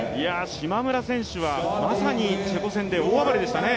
島村選手はまさにチェコ戦で大暴れでしたね。